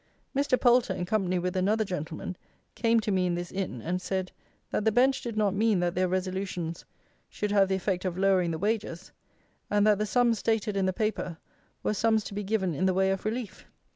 Mr. Poulter, in company with another gentleman, came to me in this Inn, and said, that the bench did not mean that their resolutions should have the effect of lowering the wages: and that the sums, stated in the paper, were sums to be given in the way of relief.